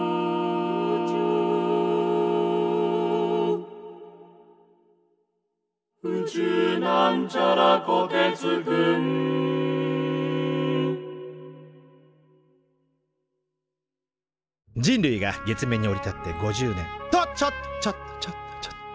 「宇宙」人類が月面に降り立って５０年！とちょっとちょっとちょっとちょっと。